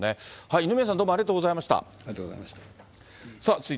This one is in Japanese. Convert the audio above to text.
二宮さん、ありがとうございました。